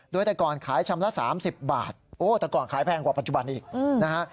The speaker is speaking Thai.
โดยแต่ก่อนขายชำละ๓๐บาทโอ้แต่ก่อนขายแพงกว่าปัจจุบันอีกนะฮะ